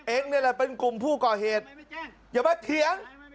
เองนี่แหละเป็นกลุ่มผู้ก่อเหตุอย่ามาเถียง